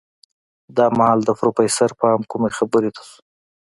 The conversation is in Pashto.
دا مهال د پروفيسر پام کومې خبرې ته شو.